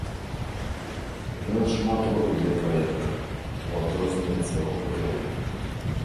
Ён шмат робіць для праекта, у адрозненне ад свайго папярэдніка.